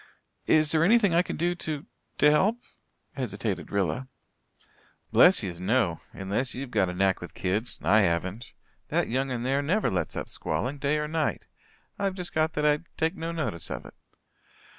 "Is there anything I can do to to help?" hesitated Rilla. "Bless yez, no unless ye've a knack with kids. I haven't. That young un there never lets up squalling, day or night. I've just got that I take no notice of it."